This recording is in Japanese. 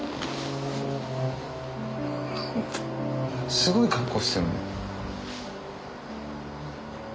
すごい格好してる。